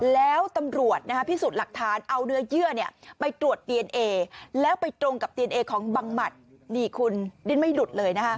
แล้วตำรวจนะฮะพิสูจน์หลักฐานเอาเนื้อเยื่อเนี่ยไปตรวจตีเอนเอแล้วไปตรงกับตีเอนเอของบางหมัด